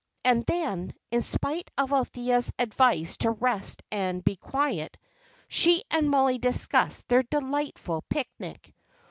And then, in spite of Althea's advice to rest and be quiet, she and Mollie discussed their delightful picnic.